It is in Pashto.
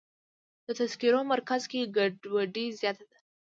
د تذکرو مرکز کې ګډوډي زیاته ده.